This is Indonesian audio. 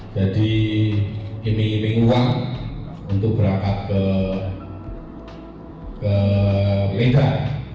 jadi iming iming uang untuk berangkat ke medan